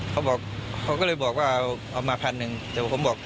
เขาบอกเขาก็เลยบอกว่าเอามาพันหนึ่งแต่ผมบอก